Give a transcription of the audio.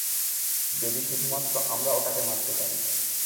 যদি শুধুমাত্র আমরা ওটাকে মারতে পারি।